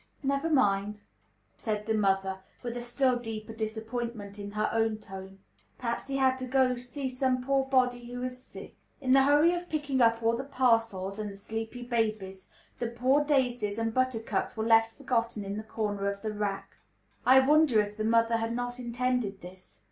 "Never mind," said the mother, with a still deeper disappointment in her own tone; "perhaps he had to go to see some poor body who is sick." In the hurry of picking up all the parcels, and the sleepy babies, the poor daisies and buttercups were left forgotten in a corner of the rack. I wondered if the mother had not intended this.